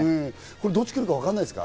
どっち来るか、わからないですか？